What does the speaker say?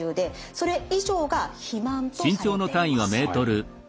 それ以上が肥満とされています。